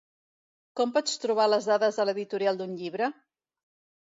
Com pots trobar les dades de l'editorial d'un llibre?